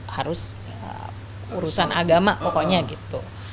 harus urusan agama pokoknya gitu